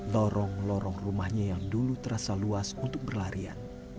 lorong lorong rumahnya yang dulu terasa luas untuk berlarian